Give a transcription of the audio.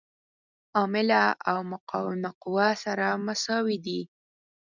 عامله او مقاومه قوه سره مساوي دي.